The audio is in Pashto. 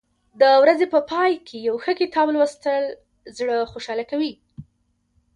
د ورځې په پای کې یو ښه کتاب لوستل زړه خوشحاله کوي.